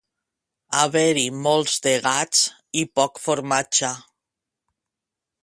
Haver-hi molts de gats i poc formatge.